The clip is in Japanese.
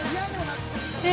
え